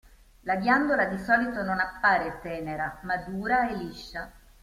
La ghiandola di solito non appare tenera, ma dura e liscia.